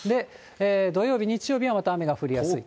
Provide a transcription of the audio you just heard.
土曜日、日曜日はまた降りやすい。